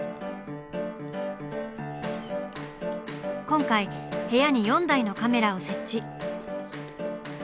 今回部屋に４台のカメラを設置。